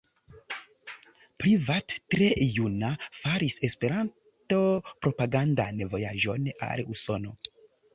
Privat tre juna faris E-propagandan vojaĝon al Usono.